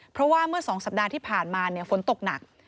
เพราะว่าเมื่อ๒สัปดาห์ที่ผ่านมาฝนตกหนัก